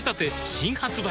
新発売